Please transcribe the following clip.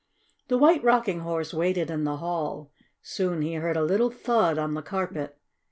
The White Rocking Horse waited in the hall. Soon he heard a little thud on the carpet.